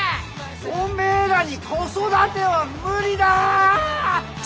おめえらに子育ては無理だ！